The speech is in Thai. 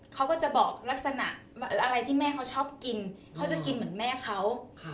เขาก็จะบอกลักษณะอะไรที่แม่เขาชอบกินเขาจะกินเหมือนแม่เขา